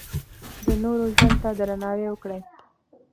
د نورو ژوند ته درناوی وکړئ.